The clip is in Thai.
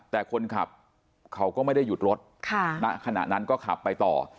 แต่คนขับเขาก็ไม่ได้หยุดรถณขณะนั้นก็ขับไปต่อ